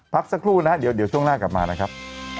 พักสักครู่นะเดี๋ยวช่วงหน้ากลับมานะครับ